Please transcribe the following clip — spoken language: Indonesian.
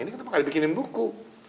ini kenapa gak dibikinin buku